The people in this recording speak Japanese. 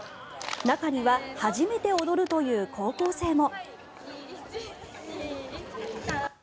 中には初めて踊るという高校生も。